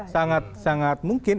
nah itu sangat mungkin